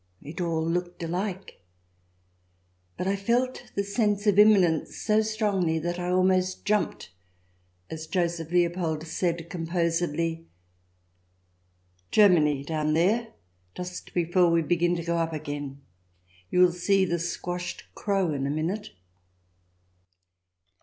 ... It all looked alike, but I felt the sense of imminence so strongly that I almost jumped as Joseph Leopold said composedly :" Germany down there, just before we begin to go up again ! You'll see the squashed crow in a minute."